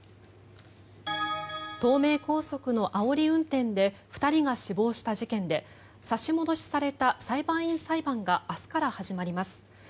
東名高速のあおり運転で２人が死亡した事件で差し戻しされた裁判員裁判が明日から始まります。